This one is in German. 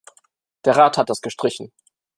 Der Rat hat das gestrichen.